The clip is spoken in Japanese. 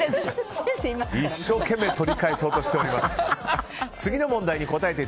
一生懸命取り返そうとしています。